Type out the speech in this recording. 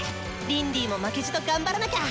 リンディも負けじと頑張らなきゃ。